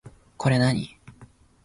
これ何